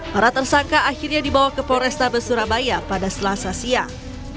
para tersangka akhirnya dibawa ke polrestabes surabaya pada selasa siang